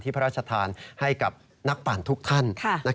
พระราชทานให้กับนักปั่นทุกท่าน